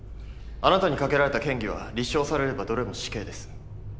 あなたにかけられた嫌疑は立証されればどれも死刑です。